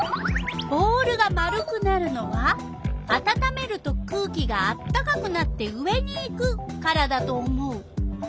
「ボールが丸くなるのはあたためると空気があったかくなって上にいくからだと思う」。